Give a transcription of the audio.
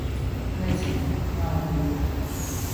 Nezinu. Nav gluži...